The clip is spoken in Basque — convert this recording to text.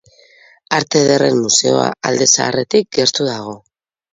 Arte Ederren Museoa alde zaharretik gertu dago.